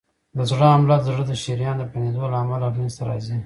د زړه حمله د زړه د شریان د بندېدو له امله منځته راځي.